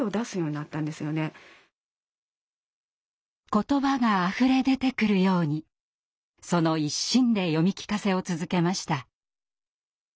言葉があふれ出てくるようにその一心で読み聞かせを続けました。